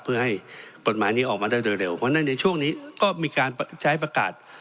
เพื่อให้กฎหมายนี้ออกมาได้โดยเร็วเพราะฉะนั้นในช่วงนี้ก็มีการใช้ประกาศ